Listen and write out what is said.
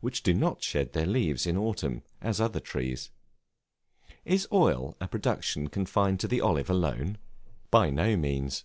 which do not shed their leaves in autumn as other trees. Is oil a production confined to the Olive alone? By no means.